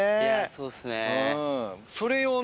そうっす。